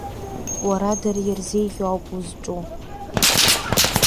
Уара дара ирзеиӷьу ауп узҿу.